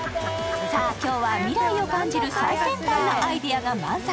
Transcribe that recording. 今日は未来を感じる最先端なアイデアが満載。